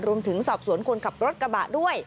รวมถึงสอบสวนคนขับรถกระบะด้วย